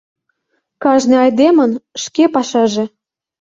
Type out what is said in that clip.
— Кажне айдемын шке пашаже.